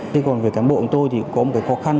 thế còn về cán bộ của tôi thì cũng có một cái khó khăn